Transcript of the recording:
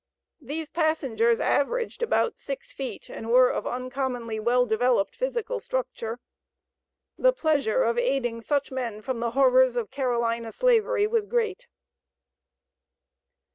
These passengers averaged about six feet, and were of uncommonly well developed physical structure. The pleasure of aiding such men from the horrors of Carolina Slavery was great.